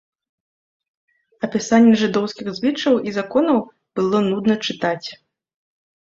Апісанне жыдоўскіх звычаяў і законаў было нудна чытаць.